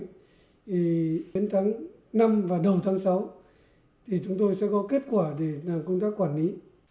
thì đến tháng năm và đầu tháng sáu thì chúng tôi sẽ có kết quả để làm công tác quản lý